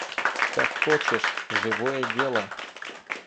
Как хочешь, живое дело!